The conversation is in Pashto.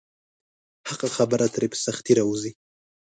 حقه خبره ترې په سختۍ راووځي.